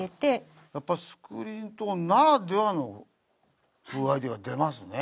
やっぱスクリーントーンならではの風合いが出ますね。